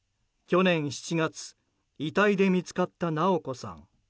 去年７月遺体で見つかった直子さん。